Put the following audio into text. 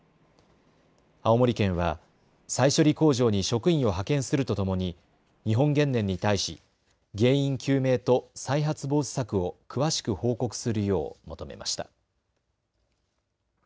青森県は再処理工場に職員を派遣するとともに日本原燃に対し原因究明と再発防止策を詳しく報告するよう求めました。